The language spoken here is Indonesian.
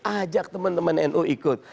ajak teman teman nu ikut